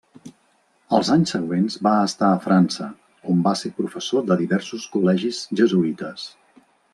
Als anys següents va estar a França, on va ser professor de diversos col·legis jesuïtes.